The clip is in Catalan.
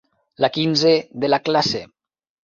La quinze de la classe.